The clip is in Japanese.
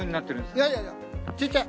いやいやいやちっちゃい。